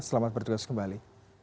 selamat bertugas kembali